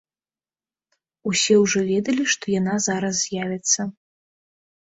Усе ўжо ведалі, што яна зараз з'явіцца.